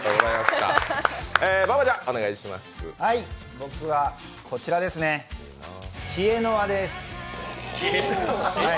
僕はこちらですね、知恵の輪です。